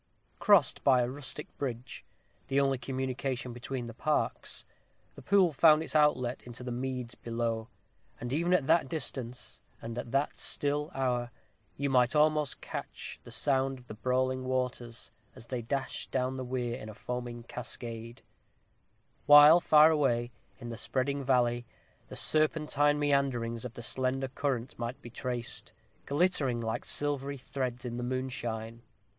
Crossed by a rustic bridge, the only communication between the parks, the pool found its outlet into the meads below; and even at that distance, and in that still hour, you might almost catch the sound of the brawling waters, as they dashed down the weir in a foaming cascade; while, far away, in the spreading valley, the serpentine meanderings of the slender current might be traced, glittering like silvery threads in the moonshine.